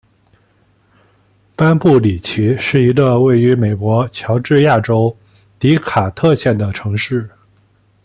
班布里奇是一个位于美国乔治亚州迪卡特县的城市。